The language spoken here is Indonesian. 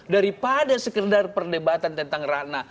daripada sekedar perdebatan tentang ratna